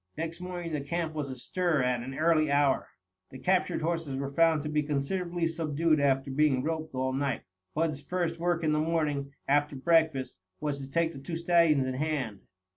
Next morning the camp was astir at an early hour. The captured horses were found to be considerably subdued after being roped all night. Bud's first work in the morning, after breakfast, was to take the two stallions in hand.